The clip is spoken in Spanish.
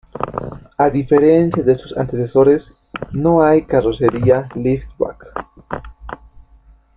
A diferencia de sus antecesores, no hay carrocería liftback.